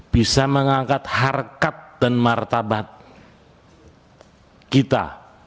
bisa mengangkat harkat dan martabat kita